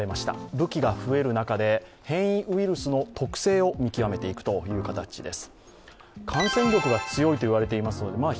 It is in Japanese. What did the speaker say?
武器が増える中で変異ウイルスの特性を見極めていくという形です。